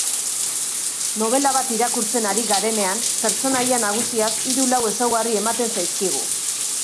Nobela bat irakurtzen ari garenean, pertsonaia nagusiaz hiru-lau ezaugarri ematen zaizkigu.